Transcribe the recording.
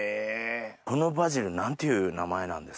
このバジル何ていう名前なんですか？